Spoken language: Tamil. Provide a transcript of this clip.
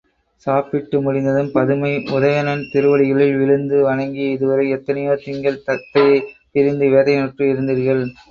சாப்பிட்டு முடிந்ததும் பதுமை உதயணன் திருவடிகளில் விழுந்து வணங்கி, இதுவரை எத்தனையோ திங்கள் தத்தையைப் பிரிந்து வேதனையுற்று இருந்தீர்கள்!